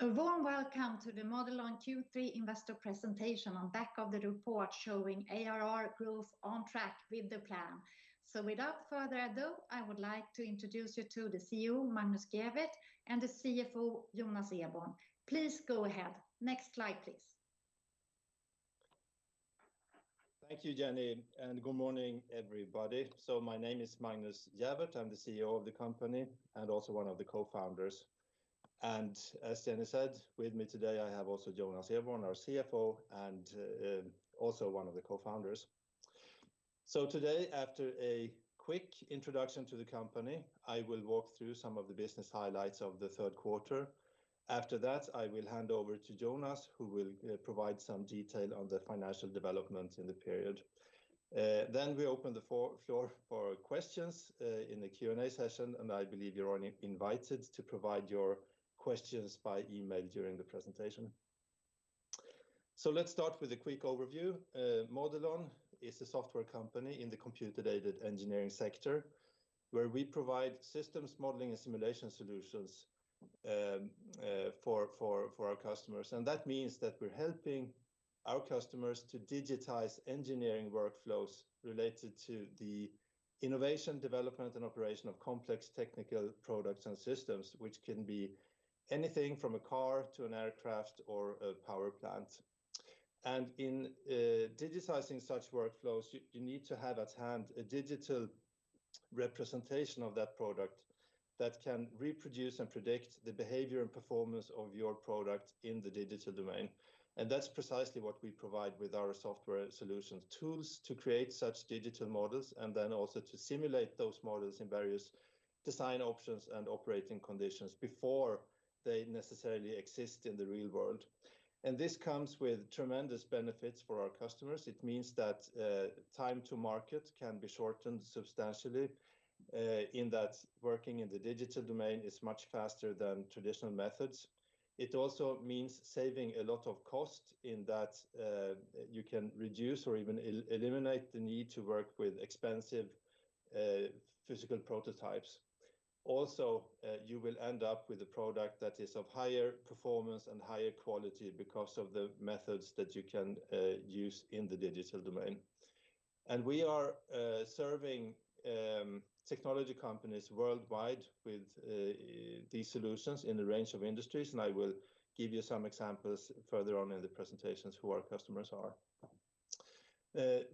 A warm welcome to the Modelon Q3 investor presentation on back of the report showing ARR growth on track with the plan. Without further ado, I would like to introduce you to the CEO, Magnus Gäfvert, and the CFO, Jonas Eborn. Please go ahead. Next slide, please. Thank you, Jenny, and good morning, everybody. My name is Magnus Gäfvert. I'm the CEO of the company and also one of the co-founders. As Jenny said, with me today I have also Jonas Eborn, our CFO, and also one of the co-founders. Today, after a quick introduction to the company, I will walk through some of the business highlights of the third quarter. After that, I will hand over to Jonas, who will provide some detail on the financial development in the period. We open the floor for questions in the Q&A session, and I believe you're all invited to provide your questions by email during the presentation. Let's start with a quick overview. Modelon is a software company in the computer-aided engineering sector, where we provide systems modeling and simulation solutions for our customers. That means that we're helping our customers to digitize engineering workflows related to the innovation, development, and operation of complex technical products and systems, which can be anything from a car to an aircraft or a power plant. In digitizing such workflows, you need to have at hand a digital representation of that product that can reproduce and predict the behavior and performance of your product in the digital domain, and that's precisely what we provide with our software solutions, tools to create such digital models and then also to simulate those models in various design options and operating conditions before they necessarily exist in the real-world. This comes with tremendous benefits for our customers, it means that time to market can be shortened substantially in that working in the digital domain is much faster than traditional methods. It also means saving a lot of cost in that you can reduce or even eliminate the need to work with expensive physical prototypes. Also, you will end up with a product that is of higher performance and higher quality because of the methods that you can use in the digital domain. We are serving technology companies worldwide with these solutions in a range of industries, and I will give you some examples further on in the presentations who our customers are.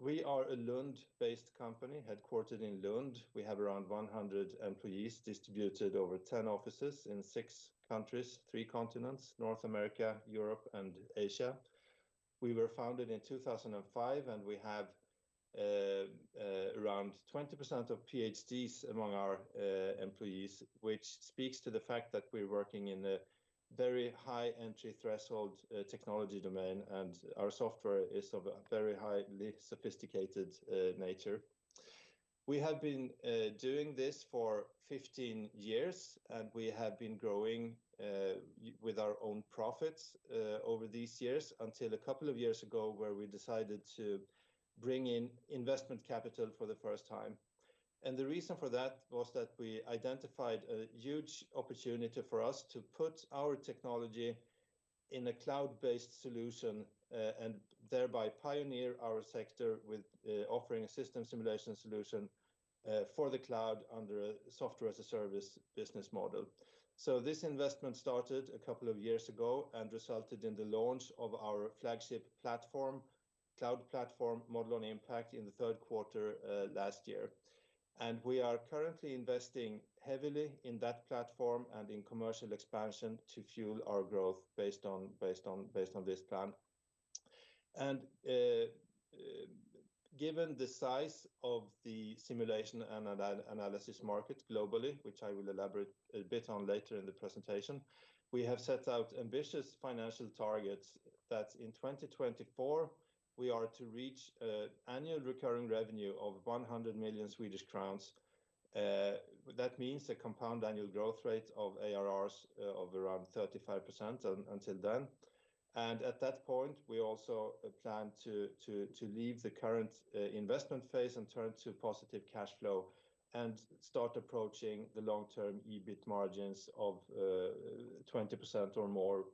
We are a Lund-based company, headquartered in Lund. We have around 100 employees distributed over 10 offices in six countries, three continents: North America, Europe, and Asia. We were founded in 2005, and we have around 20% of PhDs among our employees, which speaks to the fact that we're working in a very high entry threshold technology domain, and our software is of a very highly sophisticated nature. We have been doing this for 15 years, and we have been growing with our own profits over these years until a couple of years ago, where we decided to bring in investment capital for the first time. The reason for that was that we identified a huge opportunity for us to put our technology in a cloud-based solution, and thereby pioneer our sector with offering a system simulation solution for the cloud under a Software as a Service business model. This investment started a couple of years ago and resulted in the launch of our flagship platform, cloud platform, Modelon Impact, in the third quarter last year. We are currently investing heavily in that platform and in commercial expansion to fuel our growth based on this plan. Given the size of the simulation and analysis market globally, which I will elaborate a bit on later in the presentation, we have set out ambitious financial targets that in 2024 we are to reach an annual recurring revenue of 100 million Swedish crowns. That means a compound annual growth rate of ARR of around 35% until then. At that point, we also plan to leave the current investment phase and turn to positive cash flow and start approaching the long-term EBIT margins of 20% or more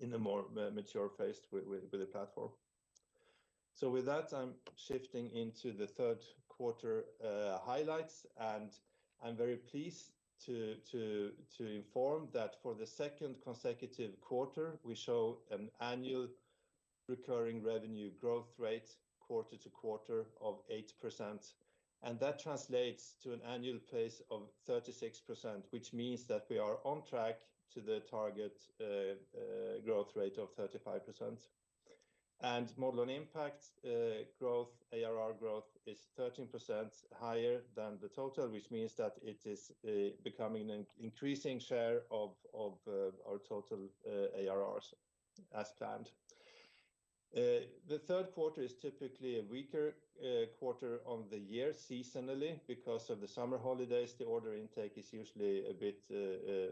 in a more mature phase with the platform. With that, I'm shifting into the third quarter highlights, and I'm very pleased to inform that for the second consecutive quarter, we show an annual recurring revenue growth rate quarter-to-quarter of 8%, and that translates to an annual pace of 36%, which means that we are on track to the target growth rate of 35%. Modelon Impact's growth, ARR growth is 13% higher than the total, which means that it is becoming an increasing share of our total ARRs as planned. The third quarter is typically a weaker quarter of the year seasonally, because of the summer holidays, the order intake is usually a bit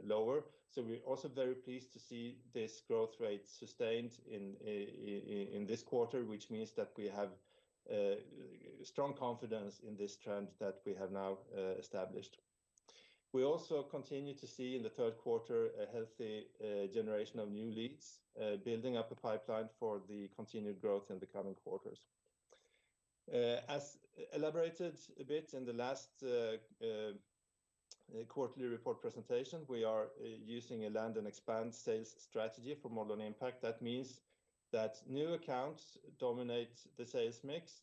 lower. We're also very pleased to see this growth rate sustained in this quarter, which means that we have strong confidence in this trend that we have now established. We also continue to see in the third quarter a healthy generation of new leads building up the pipeline for the continued growth in the coming quarters. As elaborated a bit in the last quarterly report presentation, we are using a land and expand sales strategy for Modelon Impact. That means that new accounts dominate the sales mix,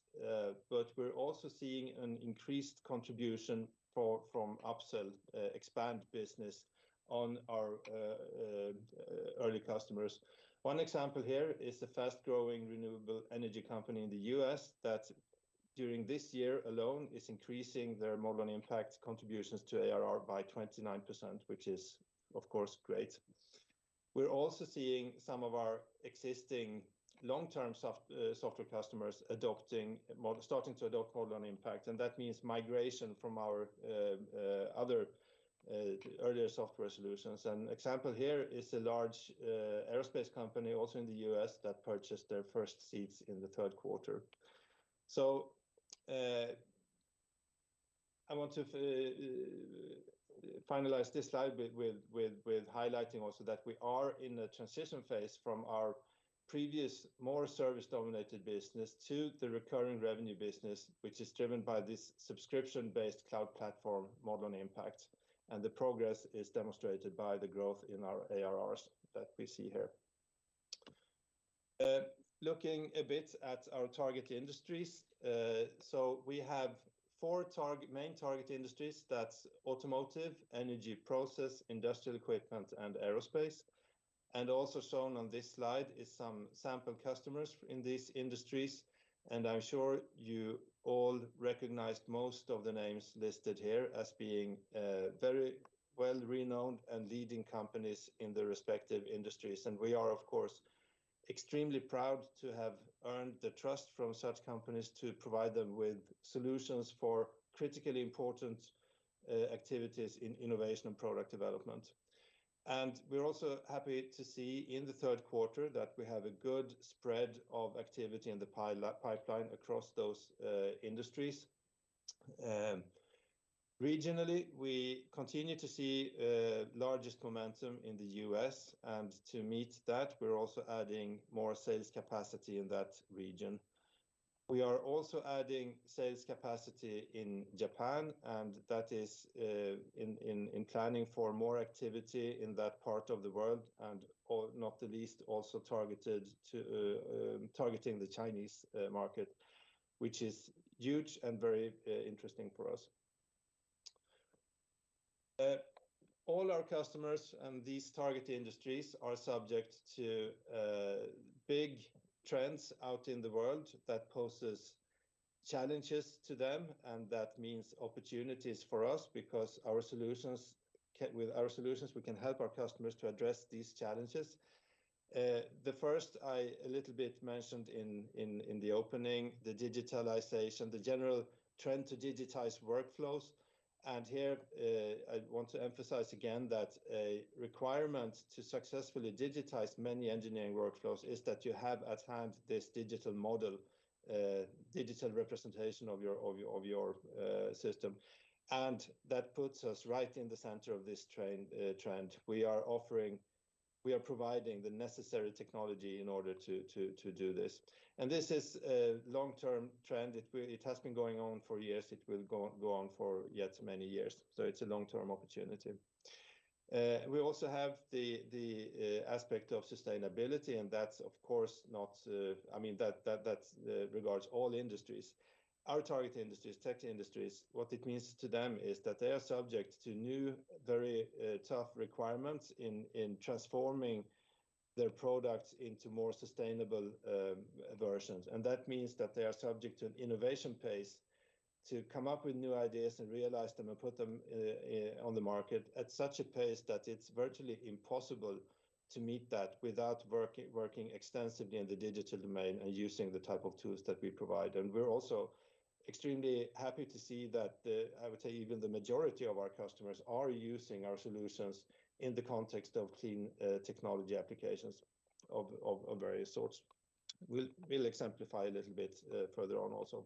but we're also seeing an increased contribution from upsell expand business on our early customers. One example here is the fast-growing renewable energy company in the U.S. that during this year alone is increasing their Modelon Impact contributions to ARR by 29%, which is of course great. We're also seeing some of our existing long-term software customers starting to adopt Modelon Impact, and that means migration from our other earlier software solutions. An example here is a large aerospace company, also in the U.S., that purchased their first seats in the third quarter. I want to finalize this slide with highlighting also that we are in a transition phase from our previous more service-dominated business to the recurring revenue business, which is driven by this subscription-based cloud platform, Modelon Impact, and the progress is demonstrated by the growth in our ARRs that we see here. Looking a bit at our target industries. We have four target, main target industries, that's automotive, energy process, industrial equipment, and aerospace. Also shown on this slide is some sample customers in these industries, and I'm sure you all recognize most of the names listed here as being very well-renowned and leading companies in their respective industries. We are, of course, extremely proud to have earned the trust from such companies to provide them with solutions for critically important activities in innovation and product development. We're also happy to see in the third quarter that we have a good spread of activity in the pipeline across those industries. Regionally, we continue to see largest momentum in the U.S., and to meet that, we're also adding more sales capacity in that region. We are also adding sales capacity in Japan, and that is in line with more activity in that part of the world and not the least also targeted to targeting the Chinese market, which is huge and very interesting for us. All our customers and these target industries are subject to big trends out in the world that poses challenges to them, and that means opportunities for us because with our solutions, we can help our customers to address these challenges. The first I a little bit mentioned in the opening, the digitalization, the general trend to digitize workflows. Here, I want to emphasize again that a requirement to successfully digitize many engineering workflows is that you have at hand this digital model, digital representation of your system, and that puts us right in the center of this trend. We are providing the necessary technology in order to do this, and this is a long-term trend. It has been going on for years. It will go on for yet many years but it's a long-term opportunity. We also have the aspect of sustainability, and that's of course not, I mean, that regards all industries. Our target industries, tech industries, what it means to them is that they are subject to new, very tough requirements in transforming their products into more sustainable versions, and that means that they are subject to an innovation pace to come up with new ideas and realize them and put them on the market at such a pace that it's virtually impossible to meet that without working extensively in the digital domain and using the type of tools that we provide. We're also extremely happy to see that the, I would say, even the majority of our customers are using our solutions in the context of clean technology applications of various sorts. We'll exemplify a little bit further on also.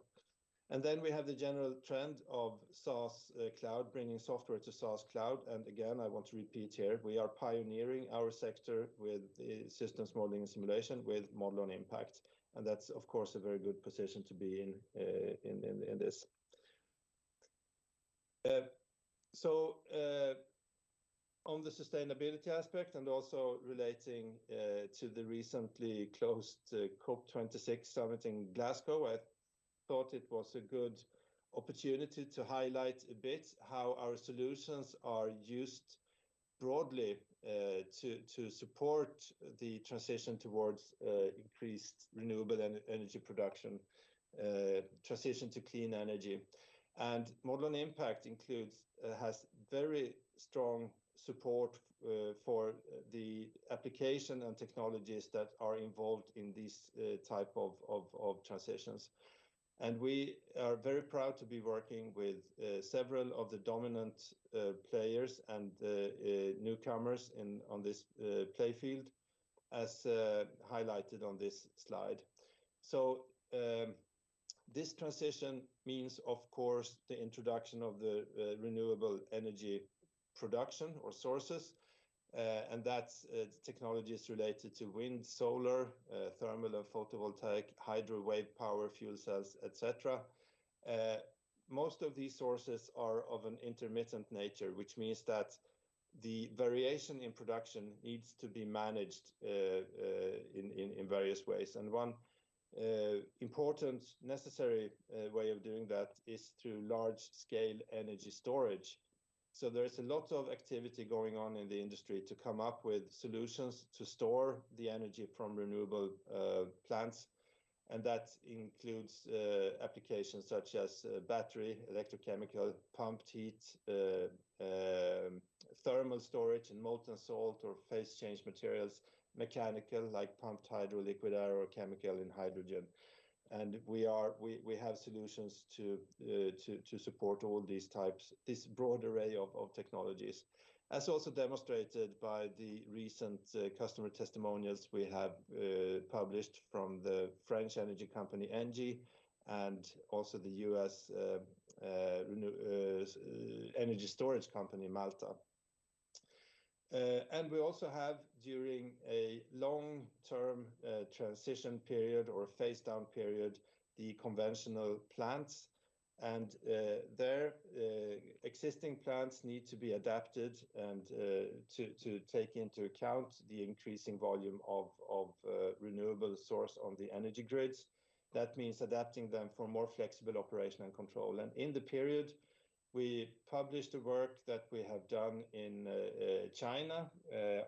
Then we have the general trend of SaaS cloud, bringing software to SaaS cloud. Again, I want to repeat here, we are pioneering our sector with systems modeling and simulation with Modelon Impact, and that's of course a very good position to be in this. On the sustainability aspect and also relating to the recently closed COP26 summit in Glasgow, I thought it was a good opportunity to highlight a bit how our solutions are used broadly to support the transition towards increased renewable energy production, transition to clean energy. Modelon Impact has very strong support for the application and technologies that are involved in these type of transitions and we are very proud to be working with several of the dominant players and newcomers in on this playing field as highlighted on this slide. This transition means, of course, the introduction of the renewable energy production or sources, and that's technologies related to wind, solar, thermal and photovoltaic, hydro, wave power, fuel cells, etc. Most of these sources are of an intermittent nature, which means that the variation in production needs to be managed in various ways. One important necessary way of doing that is through large-scale energy storage. There is a lot of activity going on in the industry to come up with solutions to store the energy from renewable plants, and that includes applications such as battery, electrochemical, pumped heat thermal storage and molten salt or phase change materials, mechanical, like pumped hydro, liquid air or chemical and hydrogen. We have solutions to support all these types, this broad array of technologies. As also demonstrated by the recent customer testimonials we have published from the French energy company, ENGIE, and also the U.S. renewable energy storage company, Malta. We also have, during a long-term transition period or phase down period, the conventional plants. Their existing plants need to be adapted and to take into account the increasing volume of renewable source on the energy grids. That means adapting them for more flexible operation and control. In the period, we published the work that we have done in China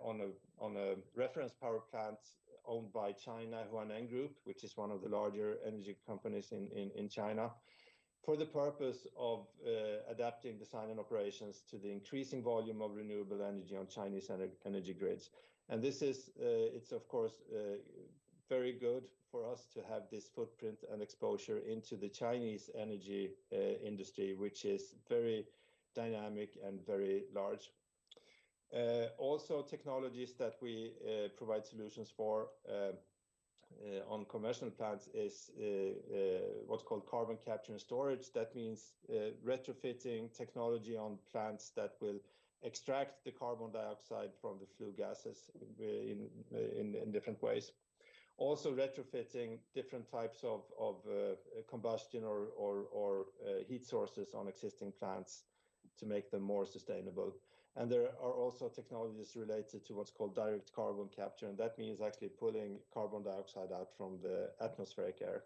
on a reference power plant owned by China Huaneng Group, which is one of the larger energy companies in China, for the purpose of adapting design and operations to the increasing volume of renewable energy on Chinese energy grids. This is, of course, very good for us to have this footprint and exposure into the Chinese energy industry, which is very dynamic and very large. Also technologies that we provide solutions for on commercial plants is what's called carbon capture and storage. That means retrofitting technology on plants that will extract the carbon dioxide from the flue gases in different ways. Also, retrofitting different types of combustion or heat sources on existing plants to make them more sustainable. There are also technologies related to what's called direct air capture, and that means actually pulling carbon dioxide out from the atmospheric air.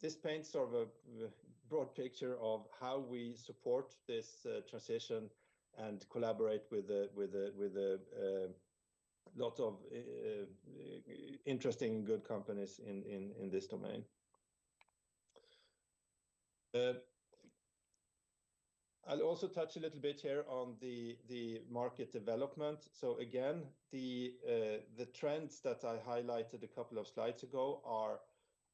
This paints sort of a broad picture of how we support this transition and collaborate with a lot of interesting good companies in this domain. I'll also touch a little bit here on the market development. Again, the trends that I highlighted a couple of slides ago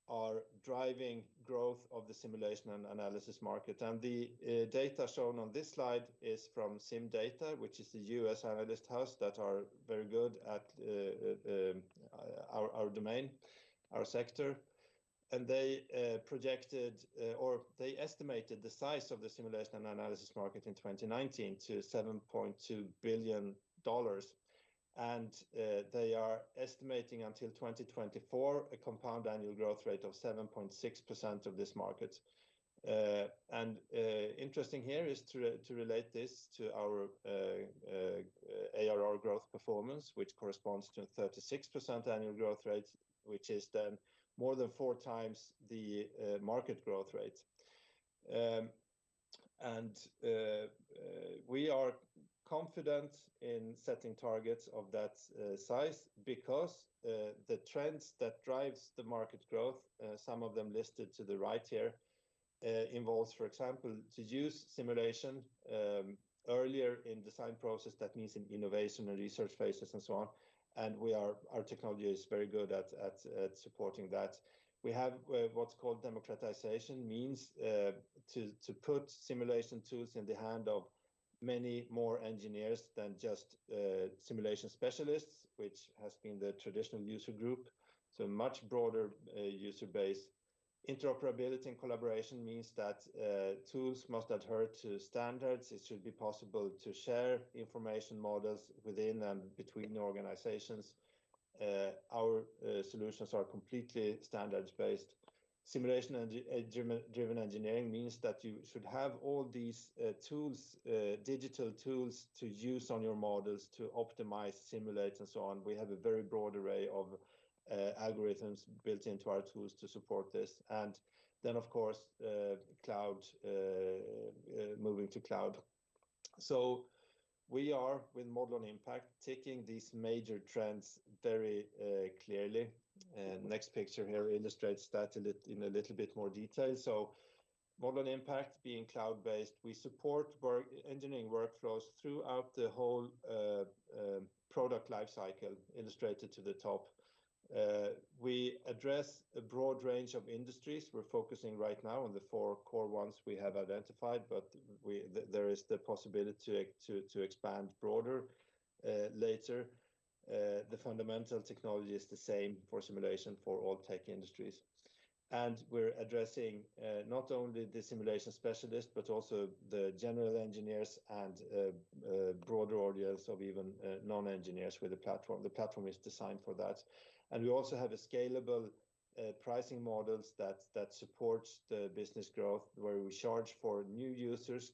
are driving growth of the simulation and analysis market. The data shown on this slide is from CIMdata, which is the U.S. analyst house that are very good at our domain, our sector. They projected or they estimated the size of the simulation and analysis market in 2019 to $7.2 billion. They are estimating until 2024, a compound annual growth rate of 7.6% of this market. Interesting here is to relate this to our ARR growth performance, which corresponds to a 36% annual growth rate, which is then more than four times the market growth rate. We are confident in setting targets of that size because the trends that drives the market growth, some of them listed to the right here, involves, for example, to use simulation earlier in design process. That means in innovation and research phases and so on. Our technology is very good at supporting that. We have what's called democratization, means to put simulation tools in the hand of many more engineers than just simulation specialists, which has been the traditional user group, so much broader user base. Interoperability and collaboration means that tools must adhere to standards. It should be possible to share information models within and between organizations. Our solutions are completely standards-based. Simulation-driven engineering means that you should have all these digital tools to use on your models to optimize, simulate, and so on. We have a very broad array of algorithms built into our tools to support this. Of course, cloud and moving to cloud. We are with Modelon Impact taking these major trends very clearly and next picture here illustrates that in a little bit more detail. Modelon Impact being cloud-based, we support engineering workflows throughout the whole product life cycle illustrated to the top. We address a broad range of industries. We're focusing right now on the four core ones we have identified, but there is the possibility to expand broader later. The fundamental technology is the same for simulation for all tech industries. We're addressing not only the simulation specialists, but also the general engineers and broader audience of even non-engineers with the platform. The platform is designed for that. We also have a scalable pricing models that supports the business growth, where we charge for new users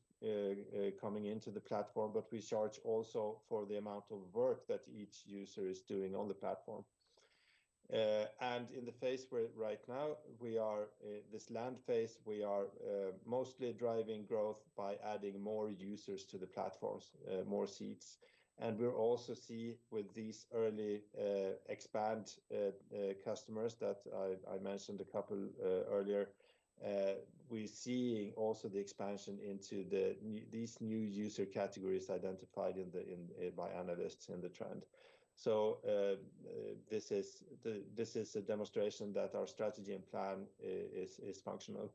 coming into the platform, but we charge also for the amount of work that each user is doing on the platform. In the phase we're at right now, this land phase, we are mostly driving growth by adding more users to the platforms and more seats. We're also seeing with these early expand customers that I mentioned a couple earlier, we're seeing also the expansion into these new user categories identified by analysts in the trend. This is a demonstration that our strategy and plan is functional.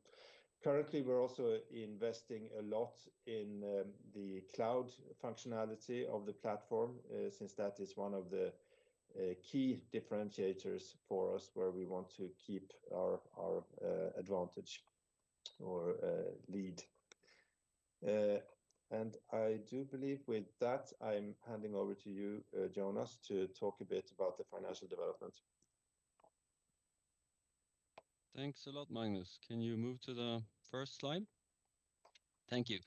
Currently, we're also investing a lot in the cloud functionality of the platform, since that is one of the key differentiators for us where we want to keep our advantage or lead. I do believe with that, I'm handing over to you, Jonas, to talk a bit about the financial development. Thanks a lot, Magnus. Can you move to the first slide? Thank you.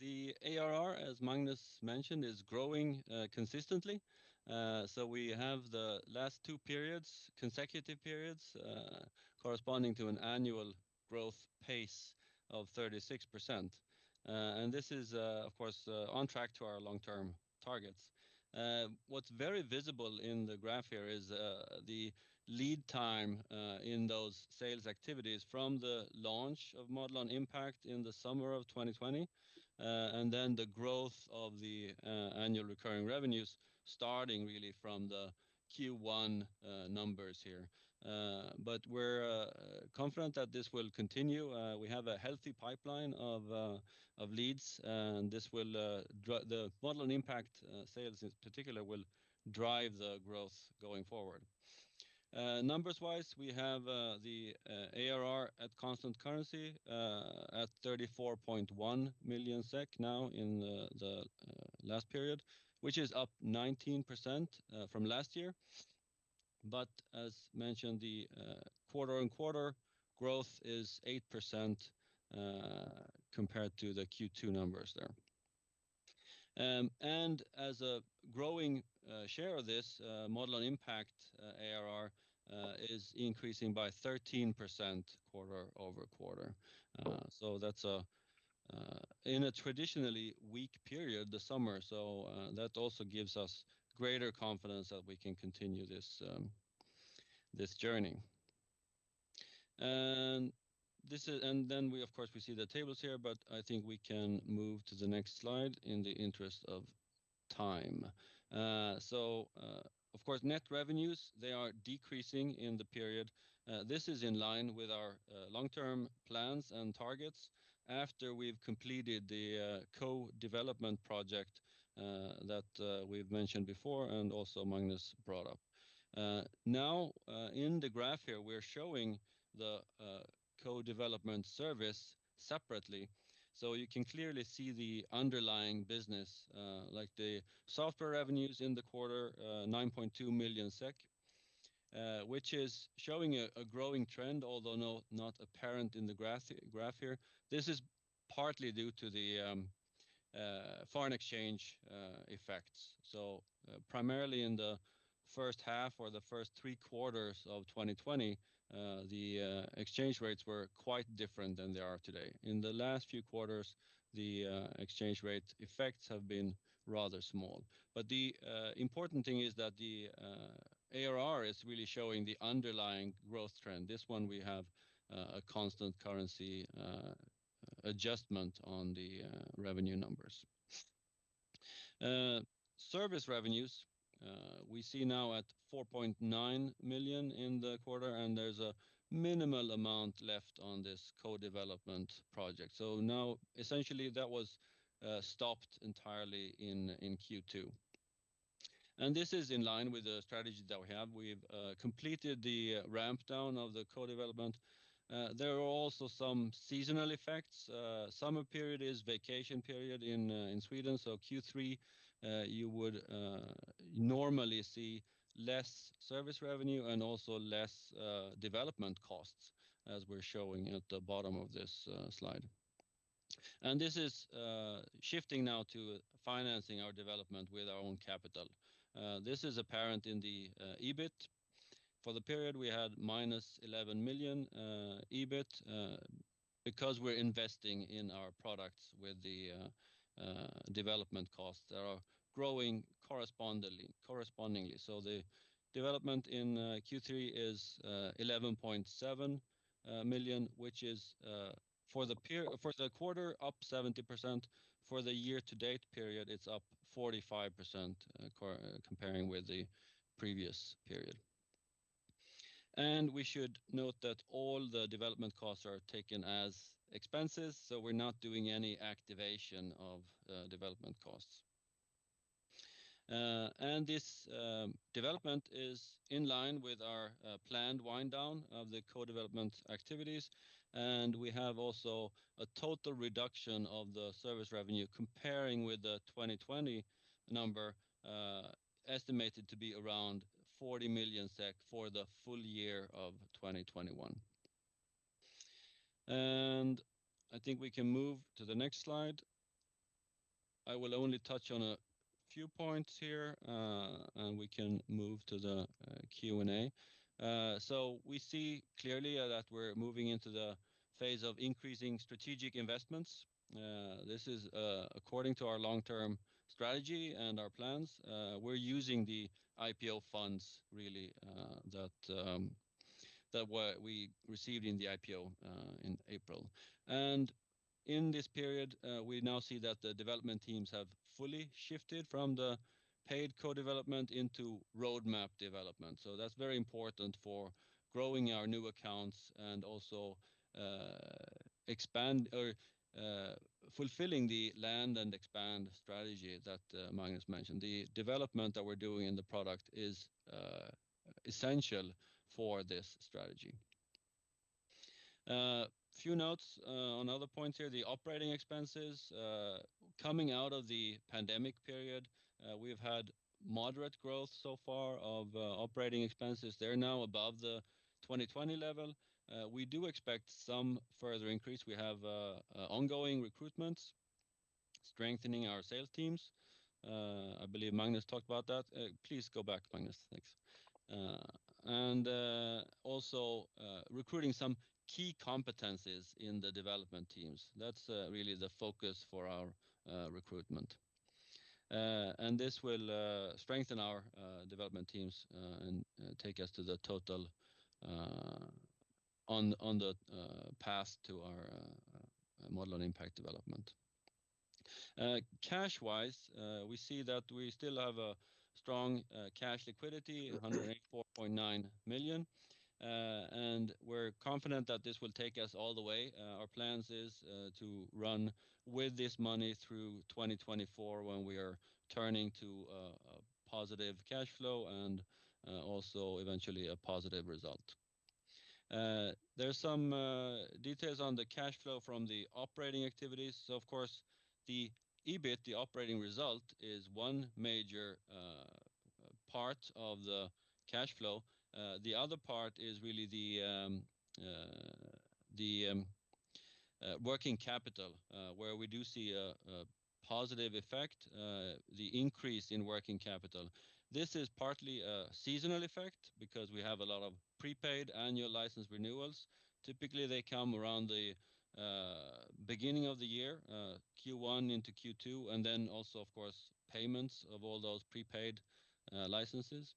The ARR, as Magnus mentioned, is growing consistently. We have the last two periods, consecutive periods, corresponding to an annual growth pace of 36%. This is, of course, on track to our long-term targets. What's very visible in the graph here is the lead time in those sales activities from the launch of Modelon Impact in the summer of 2020, and then the growth of the annual recurring revenues starting really from the Q1 numbers here but we're confident that this will continue. We have a healthy pipeline of leads, and this will. The Modelon Impact sales in particular will drive the growth going forward. Numbers-wise, we have the ARR at constant currency at 34.1 million SEK now in the last period, which is up 19% from last year. As mentioned, the quarter-over-quarter growth is 8% compared to the Q2 numbers there. As a growing share of this Modelon Impact ARR is increasing by 13% quarter-over-quarter. That's in a traditionally weak period, the summer, that also gives us greater confidence that we can continue this journey. We of course see the tables here, but I think we can move to the next slide in the interest of time. Of course, net revenues, they are decreasing in the period. This is in line with our long-term plans and targets after we've completed the co-development project that we've mentioned before and also Magnus brought up. Now, in the graph here, we're showing the co-development service separately, so you can clearly see the underlying business like the software revenues in the quarter, 9.2 million SEK, which is showing a growing trend, although not apparent in the graph here. This is partly due to the foreign exchange effects. Primarily in the first half or the first three quarters of 2020, the exchange rates were quite different than they are today. In the last few quarters, the exchange rate effects have been rather small, but the important thing is that the ARR is really showing the underlying growth trend. This one we have a constant currency adjustment on the revenue numbers. Service revenues we see now at 4.9 million in the quarter, and there's a minimal amount left on this co-development project. Now essentially that was stopped entirely in Q2. This is in line with the strategy that we have. We've completed the ramp down of the co-development. There are also some seasonal effects. Summer period is vacation period in Sweden, so Q3 you would normally see less service revenue and also less development costs as we're showing at the bottom of this slideand this is shifting now to financing our development with our own capital. This is apparent in the EBIT. For the period, we had -11 million EBIT because we're investing in our products with the development costs that are growing correspondingly. The development in Q3 is 11.7 million, which is for the quarter, up 70%. For the year to date period, it's up 45% comparing with the previous period. We should note that all the development costs are taken as expenses, so we're not doing any activation of development costs. This development is in line with our planned wind down of the co-development activities, and we have also a total reduction of the service revenue comparing with the 2020 number, estimated to be around 40 million SEK for the full year of 2021. I think we can move to the next slide. I will only touch on a few points here, and we can move to the Q&A. We see clearly that we're moving into the phase of increasing strategic investments. This is according to our long-term strategy and our plans. We're using the IPO funds really that we received in the IPO in April. In this period, we now see that the development teams have fully shifted from the paid co-development into roadmap development, so that's very important for growing our new accounts and also fulfilling the land and expand strategy that Magnus mentioned. The development that we're doing in the product is essential for this strategy. A few notes on other points here. The operating expenses, coming out of the pandemic period, we've had moderate growth so far of operating expenses. They're now above the 2020 level. We do expect some further increase. We have ongoing recruitments strengthening our sales teams. I believe Magnus talked about that. Please go back, Magnus. Thanks. We're also recruiting some key competencies in the development teams. That's really the focus for our recruitment. This will strengthen our development teams and take us to the total on the path to our Modelon Impact development. Cash-wise, we see that we still have a strong cash liquidity, 184.9 million and we're confident that this will take us all the way. Our plans is to run with this money through 2024 when we are turning to a positive cash flow and also eventually a positive result. There's some details on the cash flow from the operating activities. Of course, the EBIT, the operating result, is one major part of the cash flow. The other part is really the working capital, where we do see a positive effect, the increase in working capital. This is partly a seasonal effect because we have a lot of prepaid annual license renewals. Typically, they come around the beginning of the year, Q1 into Q2, and then also, of course, payments of all those prepaid licenses.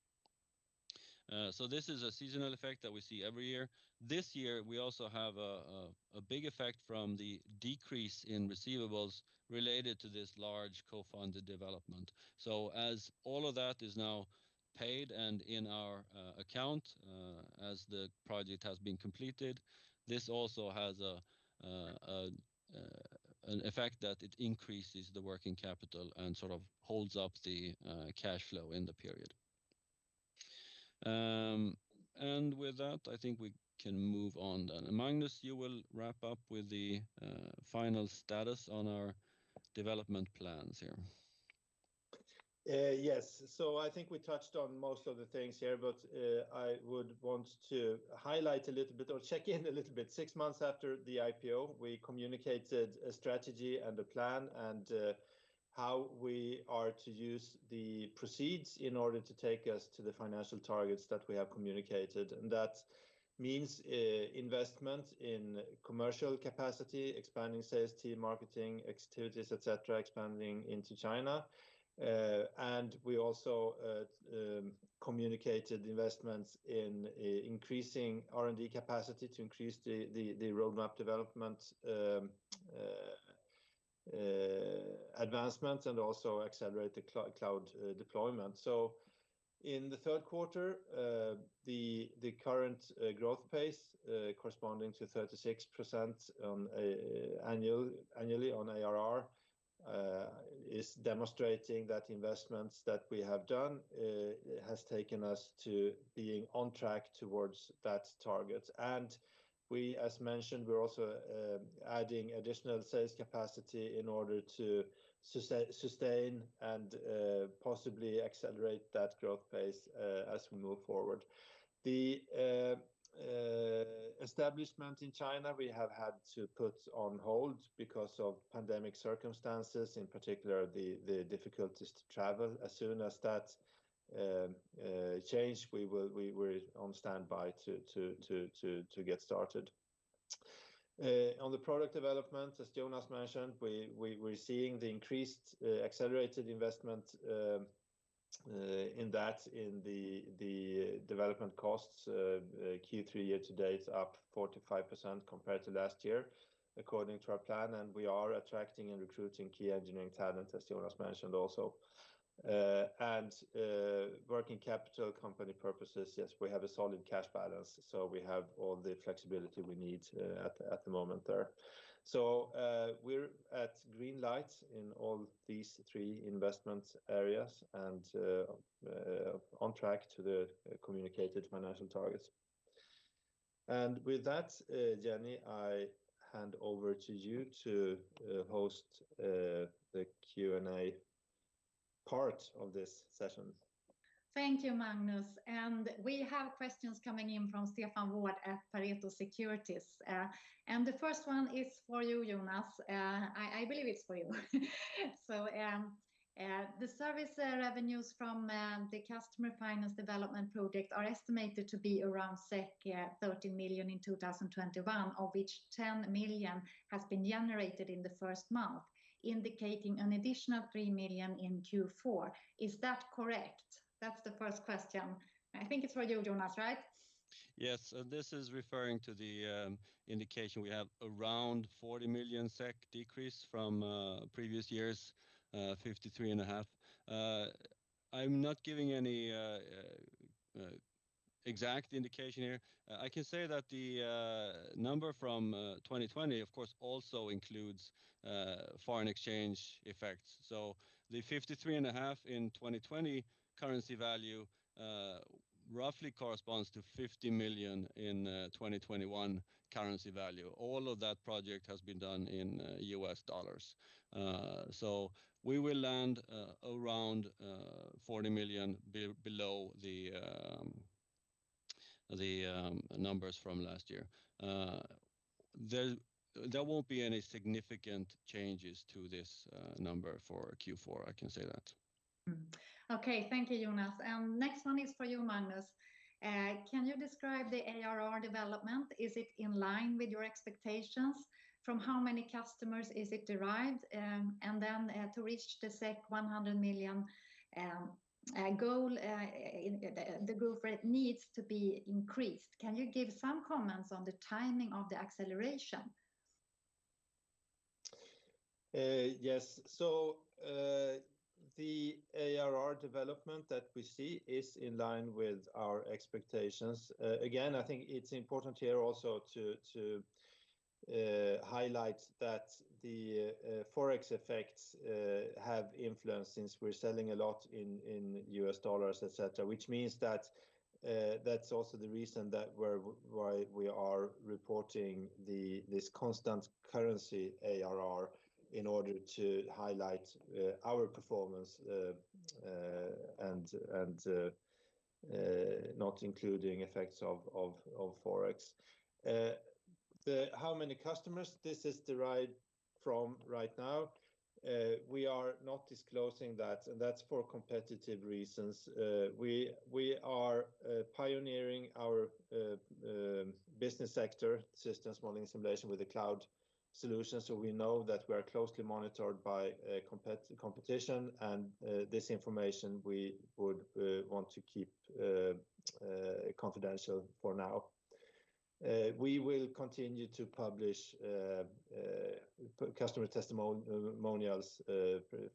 This is a seasonal effect that we see every year. This year, we also have a big effect from the decrease in receivables related to this large co-funded development. As all of that is now paid and in our account, as the project has been completed, this also has an effect that it increases the working capital and sort of holds up the cash flow in the period. With that, I think we can move on then. Magnus, you will wrap up with the final status on our development plans here. Yes. I think we touched on most of the things here, but I would want to highlight a little bit or check in a little bit. Six months after the IPO, we communicated a strategy and a plan, and how we are to use the proceeds in order to take us to the financial targets that we have communicated. That means investment in commercial capacity, expanding sales team, marketing activities, etc., Expanding into China. We also communicated investments in increasing R&D capacity to increase the roadmap development, advancements, and also accelerate the cloud deployment. In the third quarter, the current growth pace corresponding to 36% annually on ARR is demonstrating that investments that we have done has taken us to being on track towards that target. We, as mentioned, we're also adding additional sales capacity in order to sustain and possibly accelerate that growth pace as we move forward. The establishment in China, we have had to put on hold because of pandemic circumstances, in particular, the difficulties to travel. As soon as that change, we're on standby to get started. On the product development, as Jonas mentioned, we're seeing the increased accelerated investment in the development costs, Q3 year to date up 45% compared to last year according to our plan, and we are attracting and recruiting key engineering talent, as Jonas mentioned also. Working capital company purposes, yes, we have a solid cash balance, so we have all the flexibility we need at the moment there. We're at green light in all these three investment areas and on track to the communicated financial targets. With that, Jenny, I hand over to you to host the Q&A part of this session. Thank you, Magnus. We have questions coming in from Stefan Ward at Pareto Securities. The first one is for you, Jonas. I believe it's for you. The service revenues from the customer finance development project are estimated to be around 30 million in 2021, of which 10 million has been generated in the first month, indicating an additional 3 million in Q4. Is that correct? That's the first question. I think it's for you, Jonas, right? Yes. This is referring to the indication we have around 40 million SEK decrease from previous years, 53.5 million. I'm not giving any exact indication here. I can say that the number from 2020, of course, also includes foreign exchange effects. The 53.5 million in 2020 currency value roughly corresponds to 50 million in 2021 currency value. All of that projection has been done in U.S. dollars. We will land around 40 million below the numbers from last year. There won't be any significant changes to this number for Q4, I can say that. Thank you, Jonas. Next one is for you, Magnus. Can you describe the ARR development? Is it in line with your expectations? From how many customers is it derived? To reach the 100 million goal, the growth rate needs to be increased. Can you give some comments on the timing of the acceleration? The ARR development that we see is in line with our expectations. I think it's important here also to highlight that the forex effects have influence since we're selling a lot in U.S. dollars, etc., which means that that's also the reason that we are reporting this constant currency ARR in order to highlight our performance and not including effects of forex. How many customers this is derived from right now, we are not disclosing that, and that's for competitive reasons. We are pioneering our business sector systems modeling simulation with the cloud solution, so we know that we are closely monitored by competition, and this information we would want to keep confidential for now. We will continue to publish customer testimonials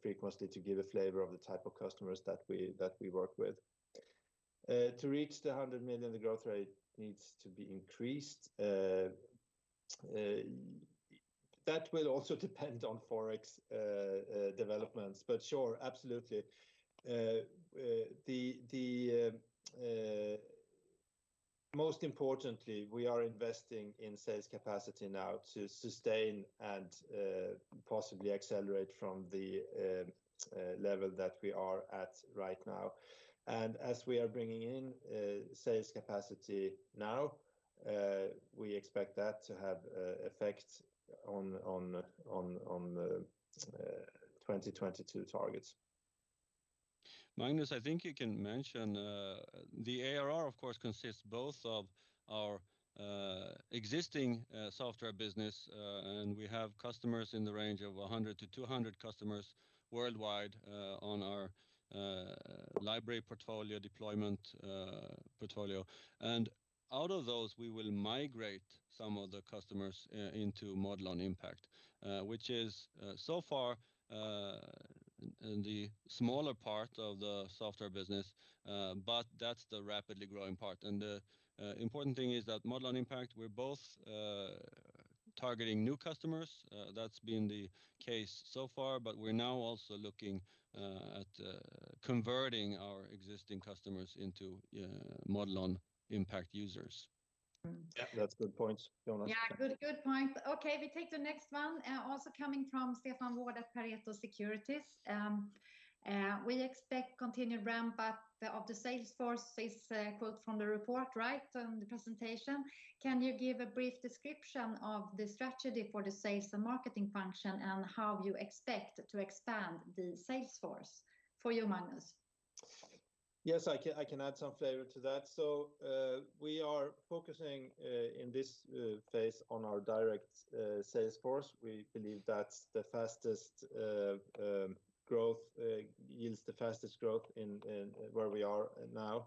frequently to give a flavor of the type of customers that we work with. To reach 100 million, the growth rate needs to be increased. That will also depend on Forex developments. But sure, absolutely. Most importantly, we are investing in sales capacity now to sustain and possibly accelerate from the level that we are at right now. As we are bringing in sales capacity now, we expect that to have a effect on the 2022 targets. Magnus, I think you can mention, the ARR of course consists both of our, existing, software business, and we have customers in the range of 100-200 customers worldwide, on our, library portfolio deployment, portfolio. Out of those, we will migrate some of the customers, into Modelon Impact, which is, so far, the smaller part of the software business, but that's the rapidly growing part. The important thing is that Modelon Impact, we're both, targeting new customers, that's been the case so far, but we're now also looking, at, converting our existing customers into, Modelon Impact users. Yeah, that's good points, Jonas. Yeah. Good point. Okay, we take the next one, also coming from Stefan Ward at Pareto Securities. "We expect continued ramp-up of the sales force" is a quote from the report, right? On the presentation. Can you give a brief description of the strategy for the sales and marketing function, and how you expect to expand the sales force? For you, Magnus. Yes, I can add some flavor to that. We are focusing in this phase on our direct sales force. We believe that's the fastest growth yields the fastest growth in where we are now.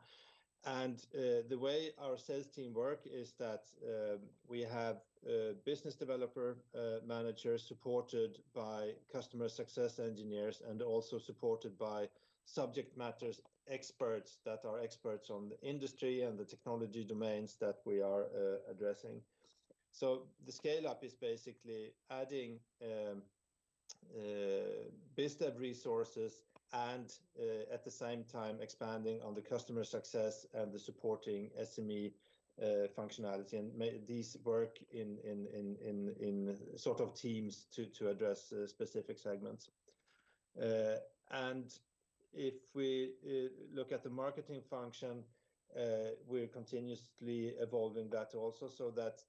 The way our sales team work is that we have business development managers supported by customer success engineers, and also supported by subject matter experts that are experts on the industry and the technology domains that we are addressing. The scale-up is basically adding business resources and at the same time expanding on the customer success and the supporting SME functionality. These work in sort of teams to address specific segments. If we look at the marketing function, we're continuously evolving that also. That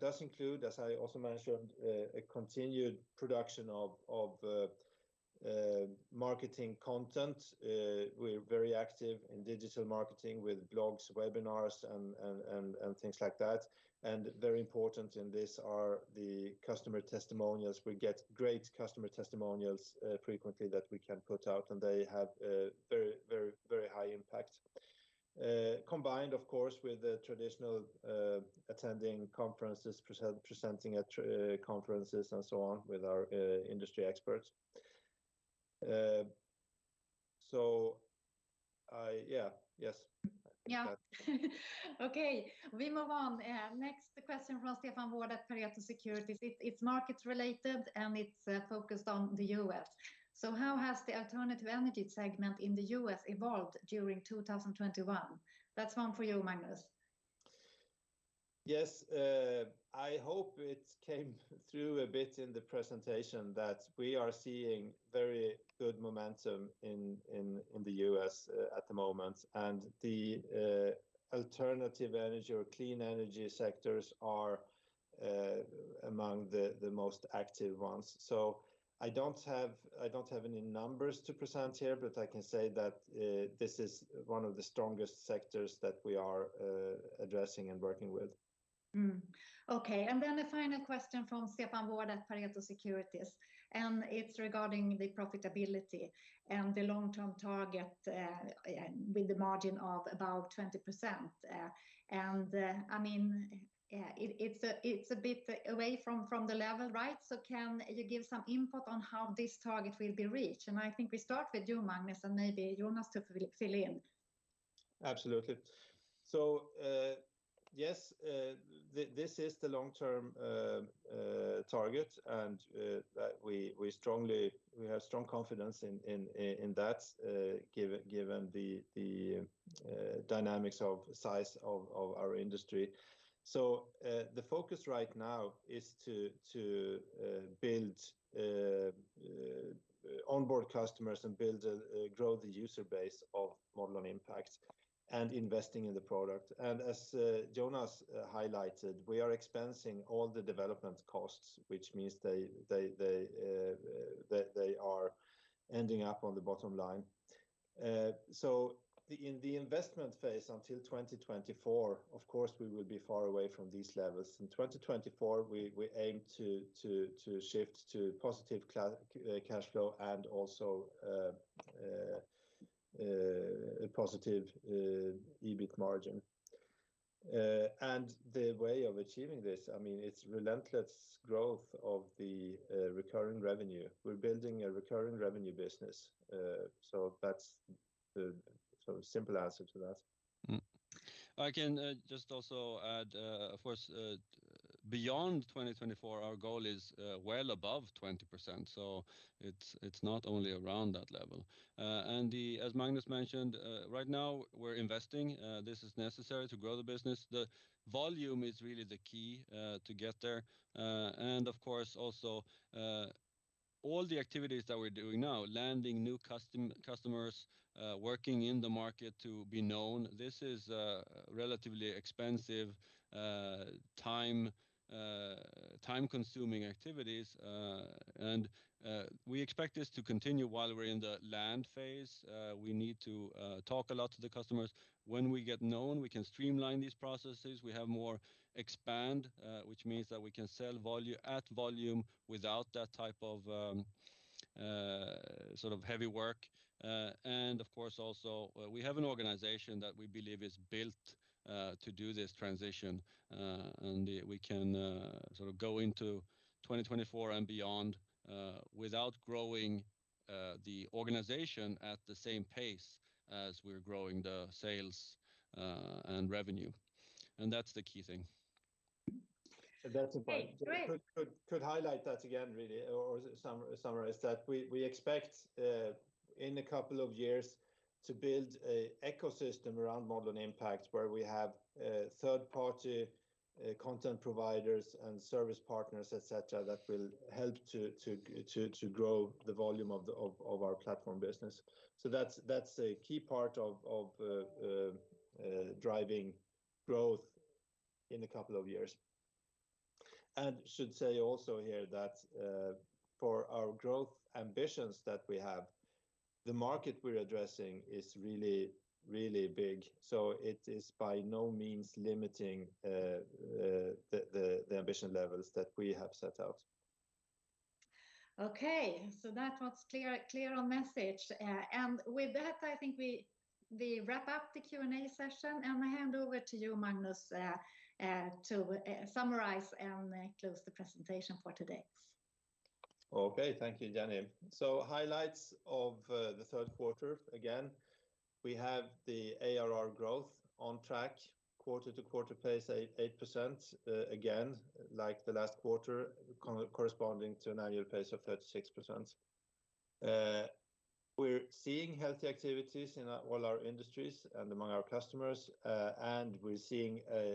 does include, as I also mentioned, a continued production of marketing content. We're very active in digital marketing with blogs, webinars, and things like that. Very important in this are the customer testimonials. We get great customer testimonials frequently that we can put out, and they have a very high impact. Combined, of course, with the traditional attending conferences, presenting at conferences and so on with our industry experts. Yeah. Yeah. Okay, we move on. Next question from Stefan Ward at Pareto Securities. It's markets related, and it's focused on the U.S. How has the alternative energy segment in the U.S. evolved during 2021? That's one for you, Magnus. Yes. I hope it came through a bit in the presentation that we are seeing very good momentum in the U.S. at the moment. The alternative energy or clean energy sectors are among the most active ones. I don't have any numbers to present here, but I can say that this is one of the strongest sectors that we are addressing and working with. Okay, then a final question from Stefan Ward at Pareto Securities, and it's regarding the profitability and the long-term target with the margin of about 20%. I mean, it's a bit away from the level, right? So can you give some input on how this target will be reached? I think we start with you, Magnus, and maybe Jonas to fill in. Absolutely. Yes, this is the long-term target, and we have strong confidence in that, given the dynamics of size of our industry. The focus right now is to onboard customers and build and grow the user base of Modelon Impact and investing in the product. As Jonas highlighted, we are expensing all the development costs, which means they are ending up on the bottom line. In the investment phase until 2024, of course, we will be far away from these levels. In 2024, we aim to shift to positive cash flow and also a positive EBIT margin. The way of achieving this, I mean, it's relentless growth of the recurring revenue. We're building a recurring revenue business, so that's the sort of simple answer to that. I can just also add, of course, beyond 2024, our goal is well above 20%, so it's not only around that level. As Magnus mentioned, right now we're investing, this is necessary to grow the business. The volume is really the key to get there. Of course, all the activities that we're doing now, landing new customers, working in the market to be known, this is relatively expensive, time-consuming activities. We expect this to continue while we're in the land phase. We need to talk a lot to the customers. When we get known, we can streamline these processes. We have land and expand, which means that we can sell volume at volume without that type of sort of heavy work. Of course, also, we have an organization that we believe is built to do this transition. We can sort of go into 2024 and beyond without growing the organization at the same pace as we're growing the sales and revenue. That's the key thing. That's a point. Great. Could highlight that again really, or summarize that. We expect in a couple of years to build a ecosystem around Modelon Impact, where we have third-party content providers and service partners, etc., that will help to grow the volume of our platform business. That's a key part of driving growth in a couple of years. Should say also here that for our growth ambitions that we have, the market we're addressing is really big. It is by no means limiting the ambition levels that we have set out. Okay, that was clear on message. With that, I think we wrap up the Q&A session, and I hand over to you, Magnus, to summarize and close the presentation for today. Okay. Thank you, Jenny. Highlights of the third quarter, again, we have the ARR growth on track, quarter-to-quarter pace 8%, again, like the last quarter, corresponding to an annual pace of 36%. We're seeing healthy activities in all our industries and among our customers, and we're seeing a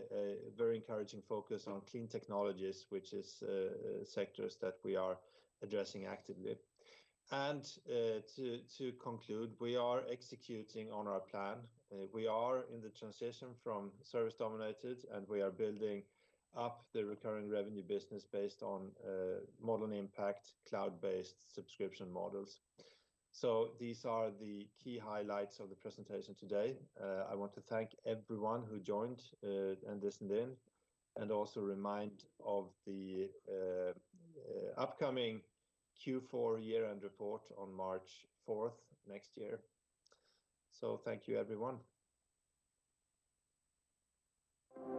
very encouraging focus on clean technologies, which is sectors that we are addressing actively. To conclude, we are executing on our plan. We are in the transition from service-dominated, and we are building up the recurring revenue business based on Modelon Impact cloud-based subscription models. These are the key highlights of the presentation today. I want to thank everyone who joined and listened in, and also remind of the upcoming Q4 year-end report on March 4th next year. Thank you, everyone.